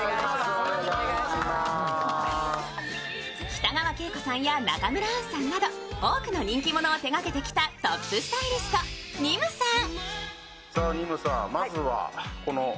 北川景子さんや中村アンさんなど多くの人気者を手がけてきたトップスタイリスト・ＮＩＭＵさん。